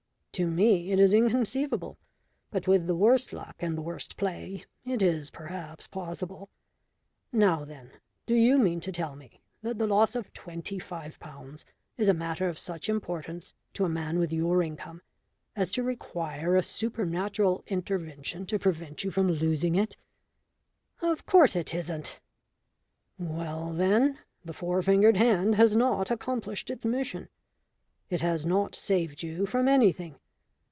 To me it is inconceivable, but with the worst luck and the worst play it is perhaps possible. Now then, do you mean to tell me that the loss of twenty five pounds is a matter of such importance to a man with your income as to require a supernatural intervention to prevent you from losing it?" "Of course it isn't." "Well, then, the four fingered hand has not accomplished its mission. It has not saved you from anything.